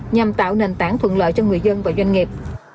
nhằm tạo nền tảng thuận lợi cho người dân và doanh nghiệp